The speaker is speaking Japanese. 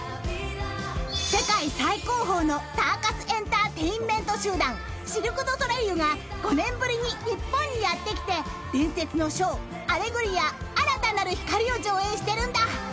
［世界最高峰のサーカス・エンターテインメント集団シルク・ドゥ・ソレイユが５年ぶりに日本にやって来て伝説のショー『アレグリア−新たなる光−』を上演してるんだ］